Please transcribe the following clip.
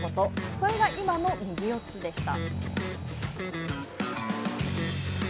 それが今の右四つでした。